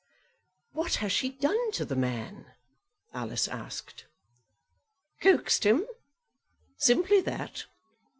"What has she done to the man?" Alice asked. "Coaxed him; simply that.